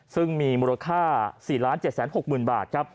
ซึ่งมีมูลค่า๔๗๖๐๐๐บาทครับ